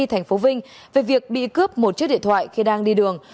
thành phố vinh về việc bị cướp một chiếc điện thoại khi đang đi đường